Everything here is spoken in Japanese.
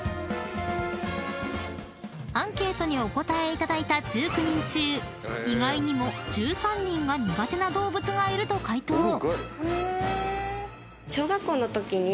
［アンケートにお答えいただいた１９人中意外にも１３人が苦手な動物がいると回答］